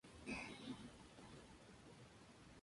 Estas cofradías son locales y tienen un gran foco familiar.